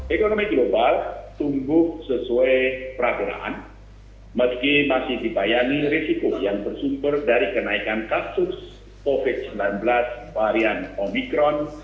ekonomi global tumbuh sesuai peraturan meski masih dibayani risiko yang bersumber dari kenaikan kasus covid sembilan belas varian omikron